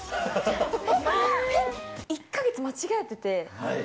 １か月間違えてて。